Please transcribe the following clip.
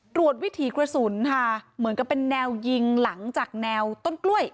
วิถีกระสุนค่ะเหมือนกับเป็นแนวยิงหลังจากแนวต้นกล้วย